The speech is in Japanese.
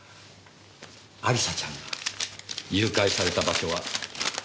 亜里沙ちゃんが誘拐された場所は。